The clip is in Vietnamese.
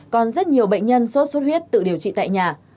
còn rất nhiều bệnh nhân sốt xuất huyết tự điều trị tại nhà